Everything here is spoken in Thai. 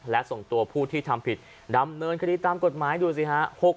และส่งตัวผู้ที่ทำผิดดำเนินคดีตามกฎหมายดูสิฮะ